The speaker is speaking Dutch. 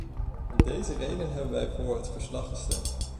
Om deze redenen hebben wij voor het verslag gestemd.